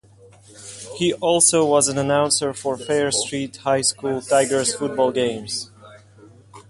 He also was an announcer for Fair Street High School Tigers football games.